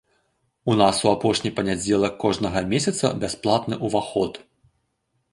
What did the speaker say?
У нас у апошні панядзелак кожнага месяца бясплатны ўваход.